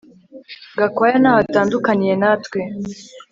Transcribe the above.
Gakwaya ntaho atandukaniye natwe